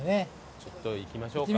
ちょっと行きましょうか。